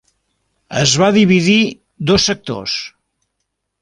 Es va dividir dos sectors.